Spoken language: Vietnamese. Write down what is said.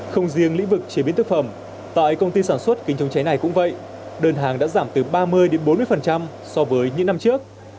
không riêng lĩnh vực chế biến thực phẩm tại công ty sản xuất kinh chống cháy này cũng vậy đơn hàng đã giảm từ ba mươi bốn mươi so với những năm trước